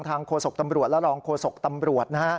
ทางโครสกตำรวจและรองโครสกตำรวจ